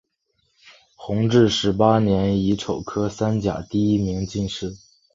弘治十八年乙丑科三甲第一名进士。